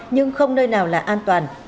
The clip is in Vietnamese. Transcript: nhưng không nơi nào là an toàn